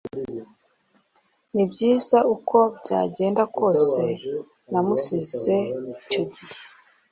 nibyiza, uko byagenda kose namusize icyo gihe